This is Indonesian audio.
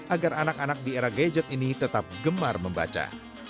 agar anak anak di era gadget ini tetap gemar membaca